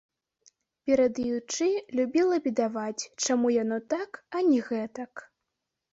Перадаючы, любіла бедаваць, чаму яно так, а не гэтак.